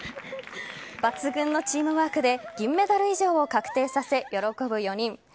抜群のチームワークで銀メダル以上を確定させ喜ぶ４人。